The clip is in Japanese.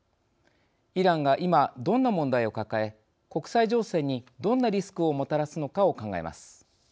イランが今、どんな問題を抱え国際情勢にどんなリスクをもたらすのかを考えます。